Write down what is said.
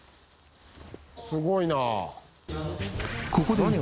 「すごいなあ」